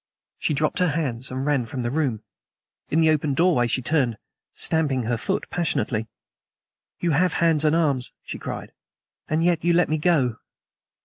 She dropped her hands and ran from the room. In the open doorway she turned, stamping her foot passionately. "You have hands and arms," she cried, "and yet you let me go.